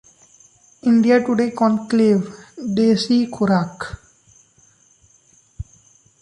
India today कॉन्क्लेव-देसी खुराक